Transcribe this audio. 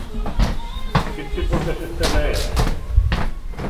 Quin tipus de sistema és?